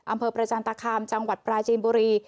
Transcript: อำเภอประจันตคามจังหวัดปราจีนบุรี